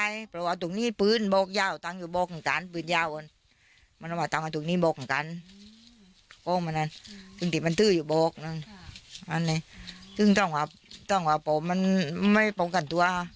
ฮะโน้นนี่ซึ้งตั้งวาดังเอาปูมันไม่ปูกั่นตัว